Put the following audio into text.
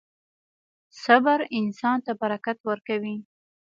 • صبر انسان ته برکت ورکوي.